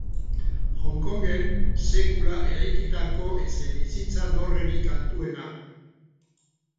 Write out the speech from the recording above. Hong Kongen sekula eraikitako etxebizitza dorrerik altuenak.